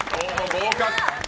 合格。